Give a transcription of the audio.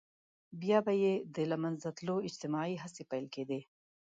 بيا به يې د له منځه تلو اجتماعي هڅې پيل کېدې.